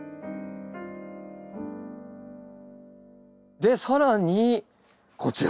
で更にこちら。